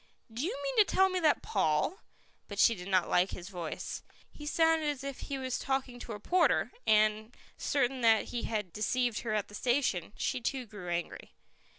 "Do you mean to tell me that Paul " But she did not like his voice. He sounded as if he was talking to a porter, and, certain that he had deceived her at the station, she too grew angry.